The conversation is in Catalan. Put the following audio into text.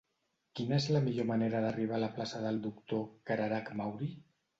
Quina és la millor manera d'arribar a la plaça del Doctor Cararach Mauri?